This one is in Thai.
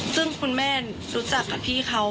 ซึ่งคุณแม่รู้จักกับพี่เขา